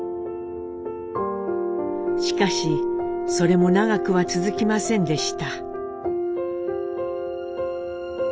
しかしそれも長くは続きませんでした。